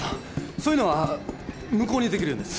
そういうのは無効にできるんです。